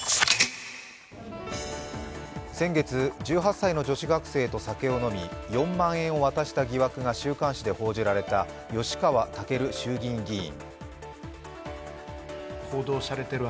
先月、１８歳の女子学生と酒を飲み、４万円を渡した疑惑が週刊誌で報じられた吉川赳衆議院議員。